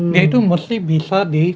dia itu mesti bisa di